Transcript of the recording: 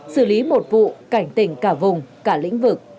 xử lý một vụ cảnh tỉnh cả vùng cả lĩnh vực